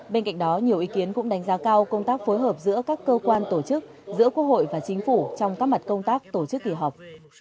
bên cạnh đó nhiều ý kiến cũng đánh giá cao công tác phối hợp giữa các cơ quan tổ chức giữa quốc hội và chính phủ trong các mặt công tác tổ chức kỳ họp